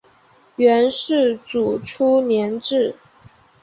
元世祖初年置。